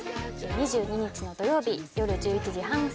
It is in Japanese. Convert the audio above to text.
２２日の土曜日よる１１時半スタートです。